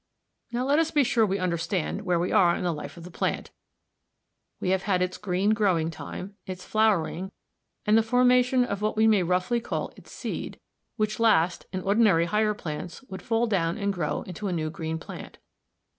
Now let us be sure we understand where we are in the life of the plant. We have had its green growing time, its flowering, and the formation of what we may roughly call its seed, which last in ordinary higher plants would fall down and grow into a new green plant.